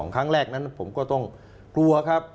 ครั้งแรกนั้นผมก็ต้องกลัวครับ